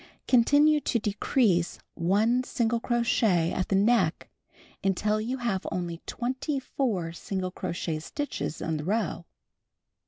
Continue to decrease 1 single crochet at the neck until you have only 24 single crochet stitches in the row.